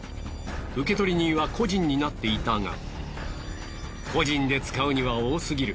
受取人は個人になっていたが個人で使うには多すぎる。